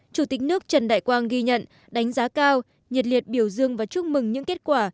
chủ tịch nước trần đại quang ghi nhận đánh giá cao nhiệt liệt biểu dương và chúc mừng những kết quả